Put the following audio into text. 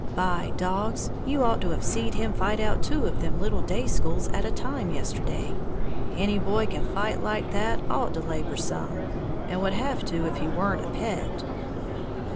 "By dogs, you ought to have seed him fight out two of them little day schools at a time yesterday! Any boy can fight like that ought to labor some, and would have to if he weren't a pet!"